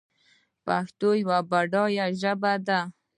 پښتو یوه بډایه ژبه ده.